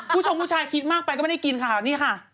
ชงผู้ชายคิดมากไปก็ไม่ได้กินค่ะนี่ค่ะ